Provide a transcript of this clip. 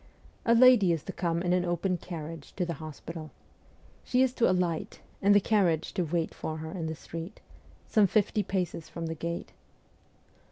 ' A lady is to come in an open carriage to the hospital. She is to alight, and the carriage to wait for her in the street, some fifty paces from the gate.